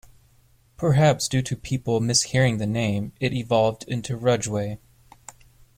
Perhaps due to people mishearing the name, it evolved into Rudgeway.